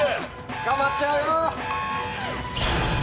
捕まっちゃうよ。